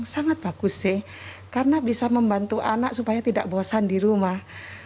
sangat bagus sih karena bisa membantu anak supaya tidak bosan di rumah